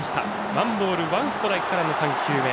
ワンボールワンストライクからの３球目。